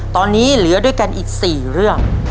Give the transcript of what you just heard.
ตอนนี้เหลือด้วยกันอีก๔เรื่อง